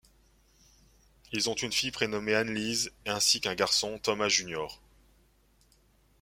Ils ont une fille prénommée Annelise, ainsi qu'un garçon, Thomas Jr.